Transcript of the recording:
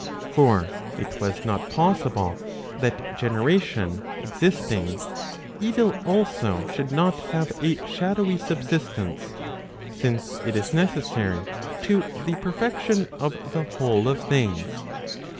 For it was not possible, that generation existing, evil also should not have a shadowy subsistence, since it is necessary to the perfection of the whole of things.